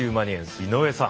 井上さん。